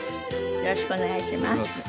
よろしくお願いします。